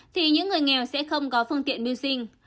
thì những người nghèo sẽ không có phương tiện mưu sinh